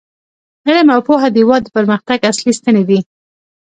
علم او پوهه د هیواد د پرمختګ اصلي ستنې دي.